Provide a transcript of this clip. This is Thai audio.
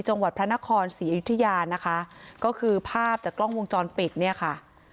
จังหวัดพระนครศรีอยุธยานะคะก็คือภาพจากกล้องวงจรปิดเนี่ยค่ะ